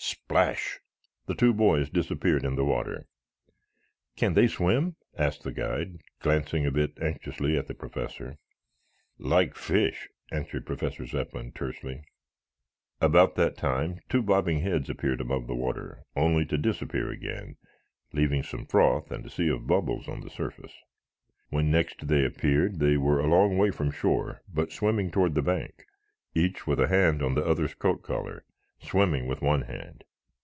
Splash! The two boys disappeared in the water. "Can they swim?" asked the guide, glancing a bit anxiously at the Professor. "Like fish," answered Professor Zepplin tersely. About that time two bobbing heads appeared above the water, only to disappear again, leaving some froth and a sea of bubbles on the surface. When next they appeared they were a long way from shore, but were swimming toward the bank, each with a hand on the other's coat collar, swimming with one hand.